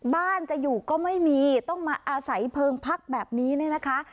บ้านจะอยู่ก็ไม่มีต้องมาอาศัยเพลิงพักแบบนี้เนี่ยนะคะ